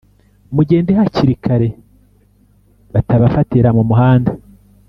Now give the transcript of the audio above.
Mugende hakiri kare batabafatira mu muhanda